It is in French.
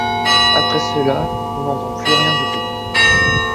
Après cela, on n’entend plus rien du group.